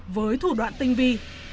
với thủ đoạn tinh vi